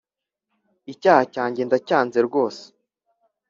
icyaha cyanjye ndacyanze rwose